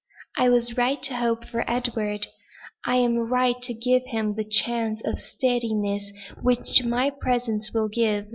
"I was right to hope for Edward; I am right to give him the chance of steadiness which my presence will give.